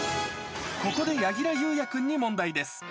ここで柳楽優弥君に問題です。